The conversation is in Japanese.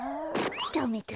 ダメだ。